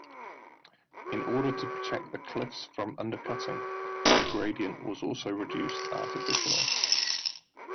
In order to protect the cliffs from undercutting, their gradient was also reduced artificially.